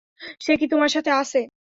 সে কি তোমার সাথে আছে?